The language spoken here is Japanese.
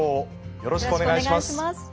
よろしくお願いします。